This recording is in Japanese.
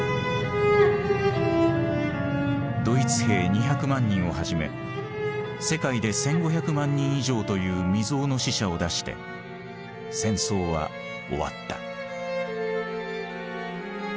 ドイツ兵２００万人をはじめ世界で１，５００万人以上という未曽有の死者を出して戦争は終わった。